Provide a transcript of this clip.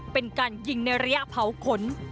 เป็นการยิงในระยะเผาขน